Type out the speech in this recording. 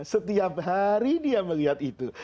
setiap hari dia melihat itu